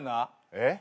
えっ？